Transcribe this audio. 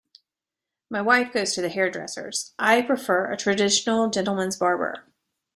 My wife goes to the hairdressers; I prefer a traditional gentleman's barber.